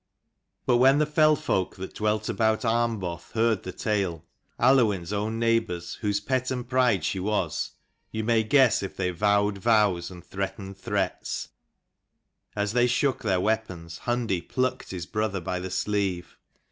But when the fell folk that dwelt about Armboth heard the tale, Aluinn's own neigh bours whose pet and pride she was, you may guess if they vowed vows and threatened threats. As they shook their weapons Hundi plucked his brother by the sleeve.